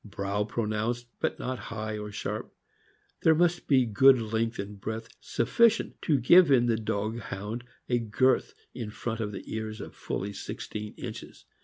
Brow pronounced, but not high or sharp. There must be good length and breadth, sufficient to give in the dog Hound a girth in front of the ears of fully sixteen inches.